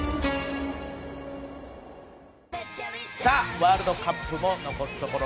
ワールドカップも残すところ